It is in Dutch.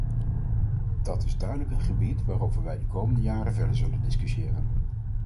Dat is duidelijk een gebied waarover wij de komende jaren verder zullen discussiëren.